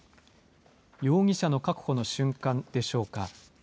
容疑者の確保の瞬間でしょうか。